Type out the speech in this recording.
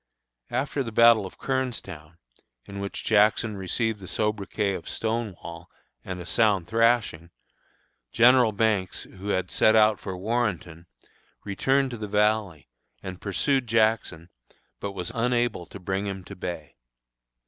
After the battle of Kernstown, in which Jackson received the sobriquet of "Stonewall" and a sound thrashing, General Banks, who had set out for Warrenton, returned to the Valley, and pursued Jackson, but was unable to bring him to bay.